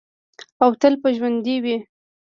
او تل به ژوندی وي.